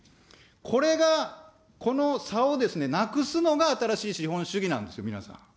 これが、この差をなくすのが新しい資本主義なんですよ、皆さん。